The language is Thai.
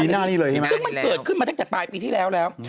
ซึ่งมันเกิดขึ้นมาตั้งแต่ปลายปีที่แล้วแล้ว